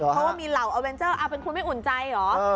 เพราะว่ามีเหล่าอาเวนเจอร์เป็นคุณไม่อุ่นใจเหรอ